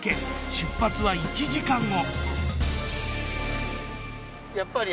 出発は１時間後。